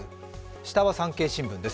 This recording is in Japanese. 下は産経新聞です。